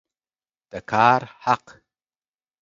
د کار حق